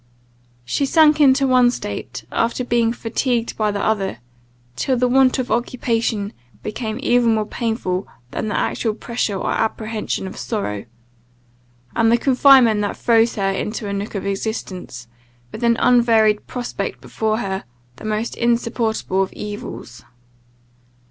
She sunk into one state, after being fatigued by the other: till the want of occupation became even more painful than the actual pressure or apprehension of sorrow; and the confinement that froze her into a nook of existence, with an unvaried prospect before her, the most insupportable of evils.